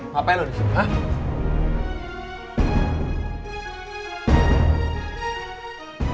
ngapain lo disini